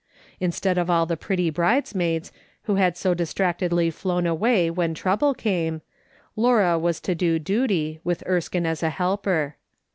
Instead of all the pretty bridesmaids, who had so distractedly flown away when trouble came, Laura was to do duty, with Erskine as a helper.